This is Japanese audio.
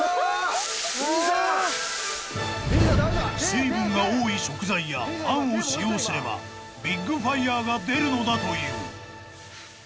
［水分が多い食材や餡を使用すればビッグファイヤーが出るのだという］